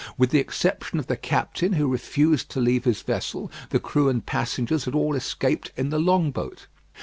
With the exception of the captain, who refused to leave his vessel, the crew and passengers had all escaped in the long boat.